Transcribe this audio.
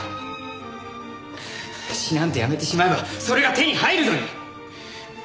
詩なんてやめてしまえばそれが手に入るのに！